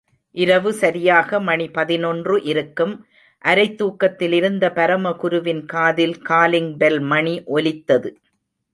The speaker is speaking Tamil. இரவு சரியாக மணி பதினொன்று இருக்கும், அரைத் தூக்கத்திலிருந்த பரமகுருவின் காதில் காலிங் பெல் மணி ஒலித்தது.